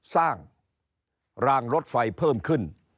สร้างรางรถไฟเพิ่มขึ้น